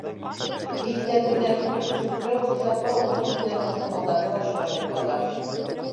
Кейеҙҙәрҙе генә түгел, сүпләү-хисаплау ысулы менән таҫтамалдарҙы ла шулай һуҡҡандар.